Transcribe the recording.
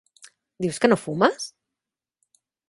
Dius que no fumes?